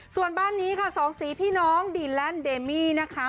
ส่วนบ้านนี้ค่ะสองสีพี่น้องดีแลนด์เดมี่นะคะ